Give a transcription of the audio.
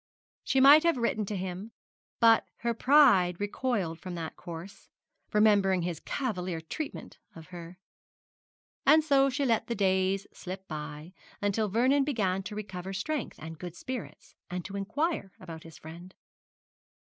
She might have written to him; but her pride recoiled from that course, remembering his cavalier treatment of her. And so she let the days slip by, until Vernon began to recover strength and good spirits, and to inquire about his friend.